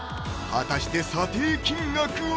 果たして査定金額は？